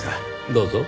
どうぞ。